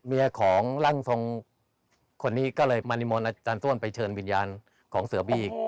เมียของร่างทรงคนนี้ก็เลยมานิมนต์อาจารย์ต้วนไปเชิญวิญญาณของเสือบี้